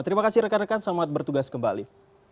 terima kasih rekan rekan selamat bertugas kembali